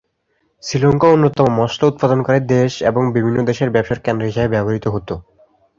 শ্রীলঙ্কা অন্যতম মশলা উৎপাদনকারী দেশ এবং বিভিন্ন দেশের ব্যবসার কেন্দ্র হিসেবে ব্যবহৃত হতো।